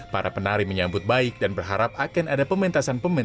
para penari menyambut baik dan berharap akan ada pementasan pemain